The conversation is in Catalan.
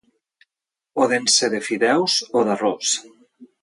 Poden ser de fideus o d'arròs